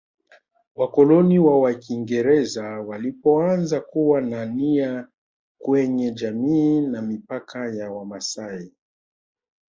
Wakoloni wa Wakiingereza walipoanza kuwa na nia kwenye jamii na mipaka ya wamasai